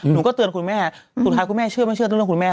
หนูก็เตือนคุณแม่สุดท้ายคุณแม่เชื่อไม่เชื่อเรื่องคุณแม่